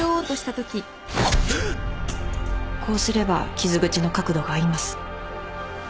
こうすれば傷口の角度が合います。